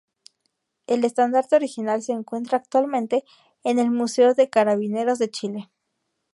El Estandarte original se encuentra actualmente en el Museo de Carabineros de Chile.